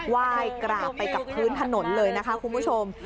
ไหว้กราบไปกับพื้นถนนเลยนะคะคุณผู้ชม